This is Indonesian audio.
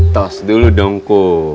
tos dulu dong kum